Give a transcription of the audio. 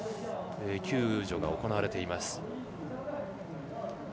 救助が行われています。